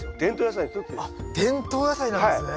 あっ伝統野菜なんですね。